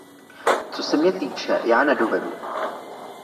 Co se mě týče, já nedovedu.